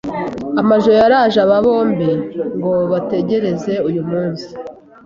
amajoro yaraje aba bombi ngo bategereze uyu munsi